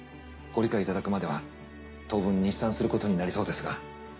ご理解いただくまでは当分日参することになりそうですが。